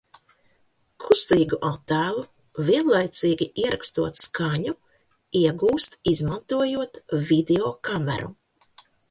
Kustīgu attēlu, vienlaicīgi ierakstot skaņu, iegūst izmantojot videokameru.